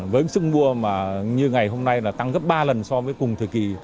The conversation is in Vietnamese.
với sức mua như ngày hôm nay tăng gấp ba lần so với cùng thời kỳ